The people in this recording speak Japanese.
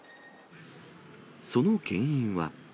その原因は。